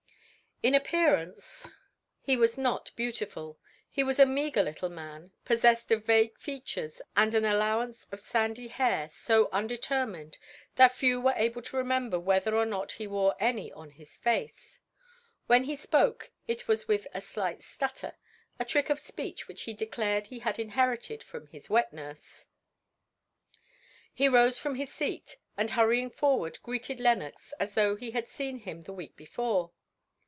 In appearance he was not beautiful: he was a meagre little man, possessed of vague features and an allowance of sandy hair so undetermined that few were able to remember whether or not he wore any on his face. When he spoke it was with a slight stutter, a trick of speech which he declared he had inherited from his wet nurse. He rose from his seat, and hurrying forward, greeted Lenox as though he had seen him the week before.